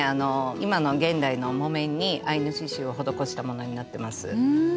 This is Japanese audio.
今の現代の木綿にアイヌ刺しゅうを施したものになってます。